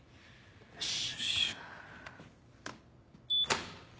よし。